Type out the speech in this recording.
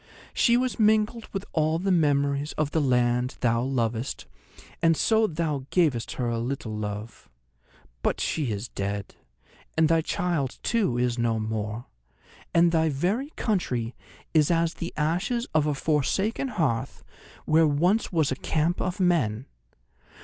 She was mingled with all the memories of the land thou lovest, and so thou gavest her a little love. But she is dead; and thy child too is no more; and thy very country is as the ashes of a forsaken hearth where once was a camp of men.